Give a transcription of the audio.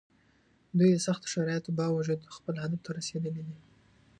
دوی د سختو شرایطو باوجود خپل هدف ته رسېدلي دي.